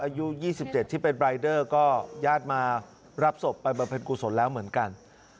อายุ๒๗ที่เป็นรายเดอร์ก็ญาติมารับศพไปบำเพ็ญกุศลแล้วเหมือนกัน